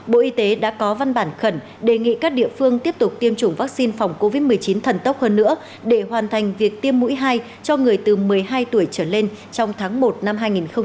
bộ y tế đã có văn bản khẩn đề nghị các địa phương tiếp tục tiêm chủng vaccine phòng covid một mươi chín thần tốc hơn nữa để hoàn thành việc tiêm mũi hai cho người từ một mươi hai tuổi trở lên trong tháng một năm hai nghìn hai mươi